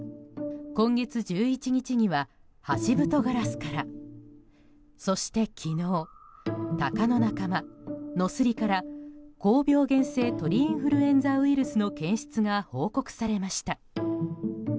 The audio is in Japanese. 今月１１日にはハシブトガラスからそして昨日タカの仲間ノスリから高病原性鳥インフルエンザウイルスの検出が報告されました。